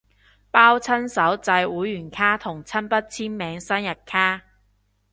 包親手製會員卡同親筆簽名生日卡